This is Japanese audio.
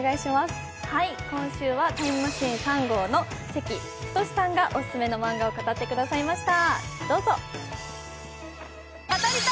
今週はタイムマシーン３号の関太さんがオススメのマンガを語ってくださいました。